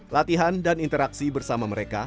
latihan dan interaksi bersama mereka